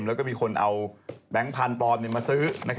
แล้วก็มีคนเอาแบงค์พันธุ์ปลอมมาซื้อ